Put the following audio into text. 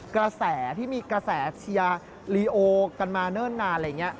กระแสที่มีกระแสเชียร์ลีโอกันมาเนิ่นนาน